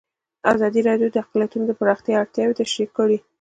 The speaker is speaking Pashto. ازادي راډیو د اقلیتونه د پراختیا اړتیاوې تشریح کړي.